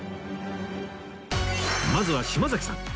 まずは島崎さん